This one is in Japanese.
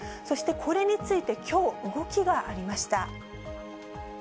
そして、これについてきょう、動きがありました。